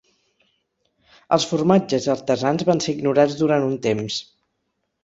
Els formatges artesans van ser ignorats durant un temps.